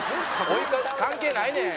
「関係ないねん！」